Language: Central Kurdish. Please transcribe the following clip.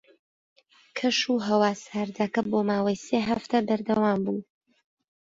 کەشوهەوا ساردەکە بۆ ماوەی سێ هەفتە بەردەوام بوو.